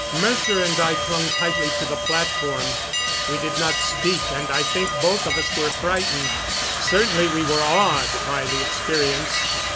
Mercer and I clung tightly to the platform. We did not speak, and I think both of us were frightened. Certainly we were awed by the experience.